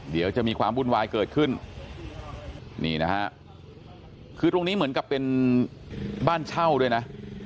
เดี๋ยวจะมีความวุ่นวายเกิดขึ้นนี่นะฮะคือตรงนี้เหมือนกับเป็นบ้านเช่าด้วยนะ